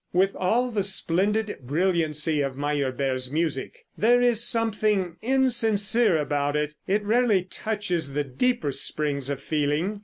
With all the splendid brilliancy of Meyerbeer's music, there is something insincere about it. It rarely touches the deeper springs of feeling.